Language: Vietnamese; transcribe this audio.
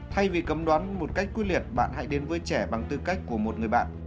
thay vì cấm đoán một cách quyết liệt bạn hãy đến với trẻ bằng tư cách của một người bạn